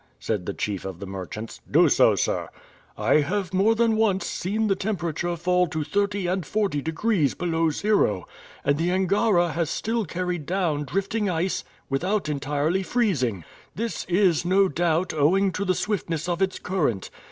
said the chief of the merchants. "Do so, sir." "I have more than once seen the temperature fall to thirty and forty degrees below zero, and the Angara has still carried down drifting ice without entirely freezing. This is no doubt owing to the swiftness of its current.